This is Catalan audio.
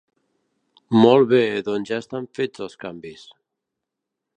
Molt bé doncs ja estan fets els canvis.